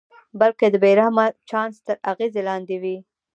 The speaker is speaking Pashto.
بلکې د بې رحمه چانس تر اغېز لاندې وي.